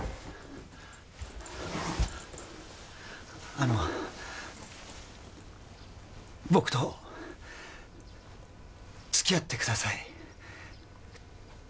あの僕と付き合ってください